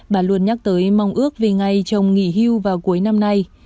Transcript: bà luôn nhắc tới mong ước về ngày chồng nghỉ hưu vào cuối năm nay